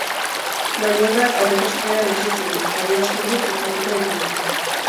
Maniobrak aurreko ostiralean hasi ziren eta bi asteburuz luzatuko dituzte.